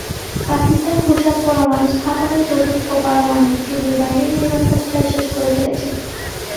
পাকিস্তান খুশাব পরমাণু স্থাপনায় চতুর্থ পারমাণবিক চুল্লির বাইরের নির্মাণকাজ প্রায় শেষ করে ফেলেছে।